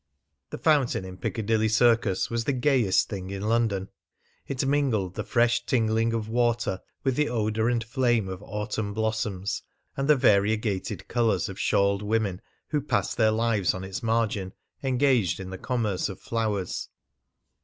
The fountain in Piccadilly Circus was the gayest thing in London. It mingled the fresh tingling of water with the odour and flame of autumn blossoms and the variegated colours of shawled women who passed their lives on its margin engaged in the commerce of flowers.